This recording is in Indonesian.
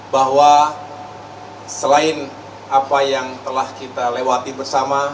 bahwa selain apa yang telah kita lewati bersama